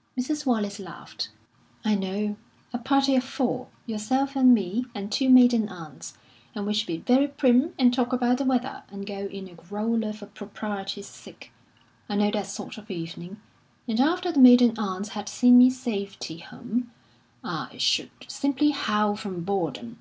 '" Mrs. Wallace laughed. "I know. A party of four yourself and me, and two maiden aunts. And we should be very prim, and talk about the weather, and go in a growler for propriety's sake. I know that sort of evening. And after the maiden aunts had seen me safety home, I should simply howl from boredom.